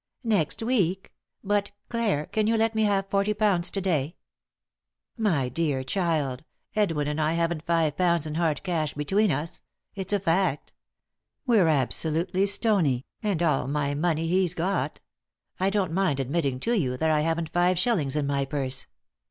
" Next week ? But — Clare, can you let me have forty pounds to day ?"" My dear child, Edwin and I haven't five pounds in 199 3i 9 iii^d by Google THE INTERRUPTED KISS hard cash between us — it's a fact We're absolutely stoncy, and all my money he's got. I don't mind admitting to you that I haven't five shillings in my purse.